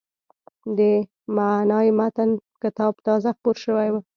د «معنای متن» کتاب تازه خپور شوی و.